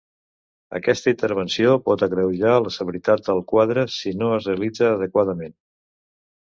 Aquesta intervenció pot agreujar la severitat del quadre si no es realitza adequadament.